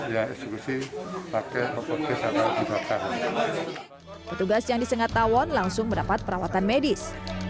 ya ekstriksi pakai obatnya sama juga petugas yang disengat tawon langsung mendapat perawatan medis